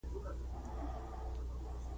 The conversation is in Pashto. پاکوالی او نظم د ژوند د ښکلا نښه ده.